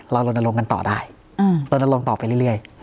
เราลงกันต่อได้ลงต่อไปเรื่อย